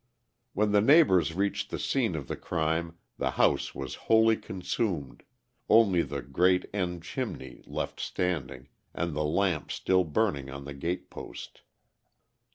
When the neighbours reached the scene of the crime, the house was wholly consumed, only the great end chimney left standing, and the lamp still burning on the gate post.